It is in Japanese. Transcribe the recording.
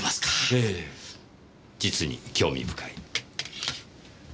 ええ実に興味深い。